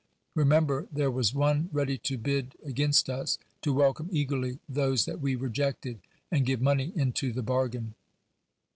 Remember, there was one ready to bid against us, to welcome eagerly those that we rejected, and give money into the bar gain.